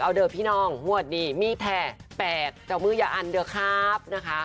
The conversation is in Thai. เอาเดิร์ดพี่น้องหวัดนี้มีแถ่๘เจ้ามืออย่าอันเดี๋ยวครับ